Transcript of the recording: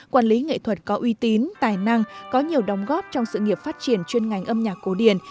quản lý nghệ thuật có uy tín tài năng có nhiều đóng góp trong sự nghiệp phát triển chuyên ngành âm nhạc cổ điển